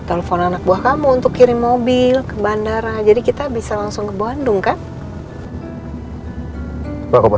eemm yaudah kita cari lagi ya